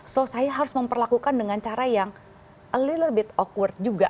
so saya harus memperlakukan dengan cara yang a little bit awkward